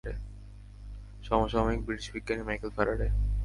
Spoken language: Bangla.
সমসাময়িক ব্রিটিশ বিজ্ঞানী মাইকেল ফ্যারাডে।